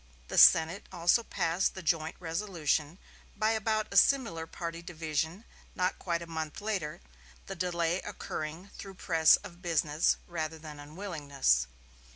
The Senate also passed the joint resolution, by about a similar party division, not quite a month later; the delay occurring through press of business rather than unwillingness.